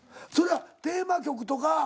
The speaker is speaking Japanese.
それはテーマ曲とか。